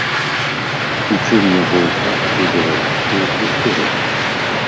У чым яго ўклад у беларускую культуру?